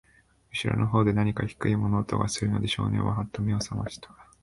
後ろの方で、なにか低い物音がするので、少年は、はっと目を覚ましました。